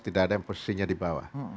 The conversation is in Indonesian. tidak ada yang posisinya di bawah